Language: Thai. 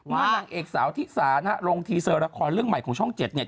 นางเอกสาวที่สานะฮะลงทีเซอร์ละครเรื่องใหม่ของช่องเจ็ดเนี่ย